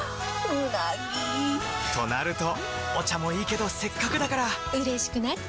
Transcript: うなぎ！となるとお茶もいいけどせっかくだからうれしくなっちゃいますか！